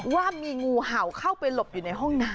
ว่ามีงูเห่าเข้าไปหลบอยู่ในห้องน้ำ